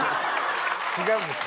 違うんです。